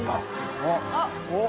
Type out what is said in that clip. あっ。